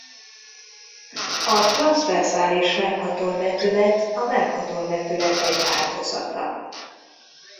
A transzverzális Mercator-vetület a Mercator-vetület egy változata.